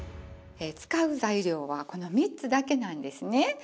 使う材料はこの３つだけなんですね。